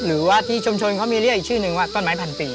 หรือว่าที่ชุมชนเขามีเรียกอีกชื่อนึงว่าต้นไม้พันปี